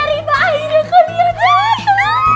ritwa akhirnya kok dia jatuh